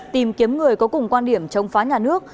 tìm kiếm người có cùng quan điểm chống phá nhà nước